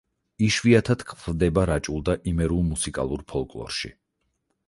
იშვიათად გვხვდება რაჭულ და იმერულ მუსიკალურ ფოლკლორში.